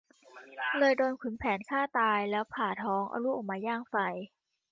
เลยโดนขุนแผนฆ่าตายแล้วผ่าท้องเอาลูกมาย่างไฟ